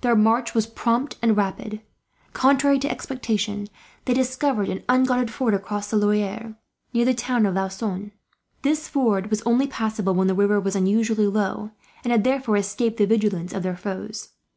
Their march was prompt and rapid. Contrary to expectation, they discovered an unguarded ford across the Loire, near the town of Laussonne. This ford was only passable when the river was unusually low, and had therefore escaped the vigilance of their foes.